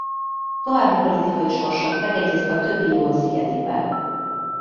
További politikai sorsa megegyezik a többi jón szigetével.